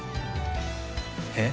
えっ？